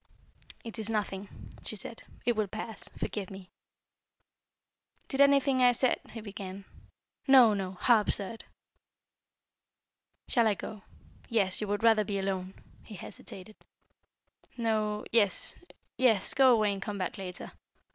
"It is nothing," she said. "It will pass. Forgive me." "Did anything I said " he began. "No, no; how absurd!" "Shall I go. Yes, you would rather be alone " he hesitated. "No yes yes, go away and come back later.